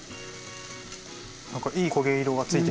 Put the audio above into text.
何かいい焦げ色がついてきてます。